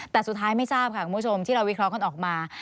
แต่สุดท้ายไม่ทราบค่ะคุณผู้ชมที่เราวิเคราะห์กันออกมา